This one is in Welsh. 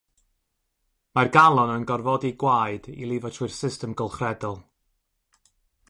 Mae'r galon yn gorfodi gwaed i lifo trwy'r system gylchredol.